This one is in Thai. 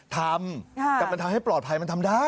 ทำแต่มันทำให้ปลอดภัยมันทำได้